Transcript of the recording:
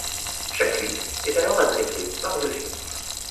Chacune est alors adressée par deux fils.